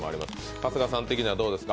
春日さん的にはどうですか？